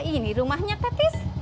ini rumahnya patis